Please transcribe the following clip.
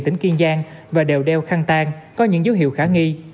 tỉnh kiên giang và đều đeo khăn tan có những dấu hiệu khả nghi